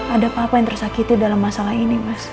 ada papa yang tersakiti dalam masalah ini mas